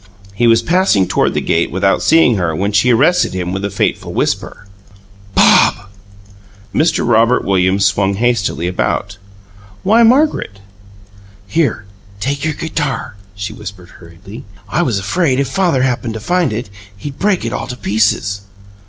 He was passing toward the gate without seeing her, when she arrested him with a fateful whisper. "BOB!" Mr. Robert Williams swung about hastily. "Why, Margaret!" "Here, take your guitar," she whispered hurriedly. "I was afraid if father happened to find it he'd break it all to pieces!"